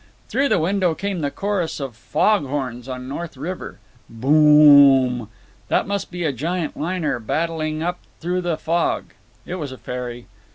Through the window came the chorus of fog horns on North River. "Boom m m!" That must be a giant liner, battling up through the fog. (It was a ferry.)